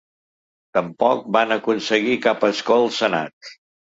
Tampoc van aconseguir cap escó al Senat.